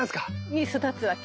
に育つわけ。